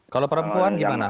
kalau perempuan gimana